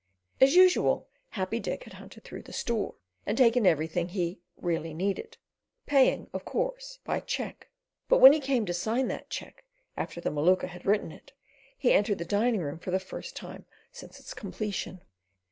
As usual, Happy Dick had hunted through the store, and taken anything he "really needed," paying, of course, by cheque; but when he came to sign that cheque, after the Maluka had written it, he entered the dining room for the first time since its completion.